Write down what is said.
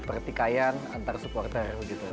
seperti kayaan antar supporter